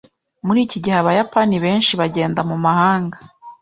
Muri iki gihe Abayapani benshi bagenda mu mahanga.